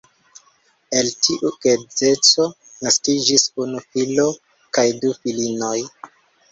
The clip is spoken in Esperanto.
El tiu geedzeco naskiĝis unu filo kaj du filinoj.